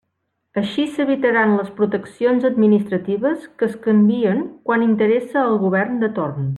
Així s'evitaran les proteccions administratives que es canvien quan interessa al govern de torn.